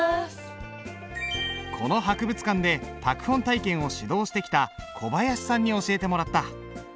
この博物館で拓本体験を指導してきた小林さんに教えてもらった。